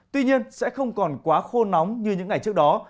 tuy nhiên sẽ không còn quá khô nóng như những ngày trước đó